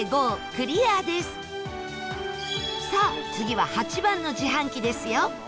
クリアですさあ、次は８番の自販機ですよ